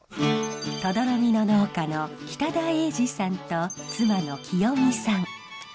止々呂美の農家の北田栄次さんと妻の喜代美さん。